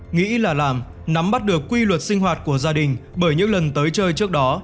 nghĩ là làm nắm bắt được quy luật sinh hoạt của gia đình bởi những lần tới chơi trước đó